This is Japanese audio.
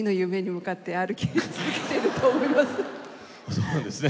そうなんですね。